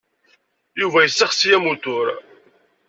Yuba yessexsi amutur.